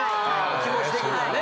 気持ち的にはね。